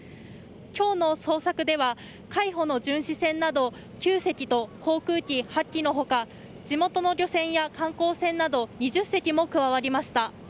今日の捜索では海保の巡視船など９隻と航空機８機の他地元の漁船や観光船など２０隻も加わりました。